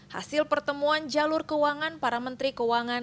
hasil pertemuan jalur keuangan para menteri keuangan